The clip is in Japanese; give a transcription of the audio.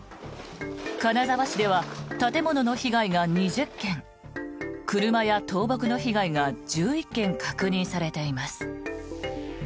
金沢市では建物の被害が２０件車や倒木の被害が１１件確認されています。